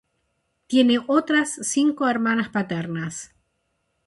Tiene otras cinco hermanas paternas.